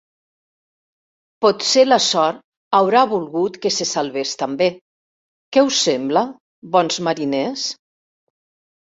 Potser la sort haurà volgut que se salvés també. Què us sembla, bons mariners?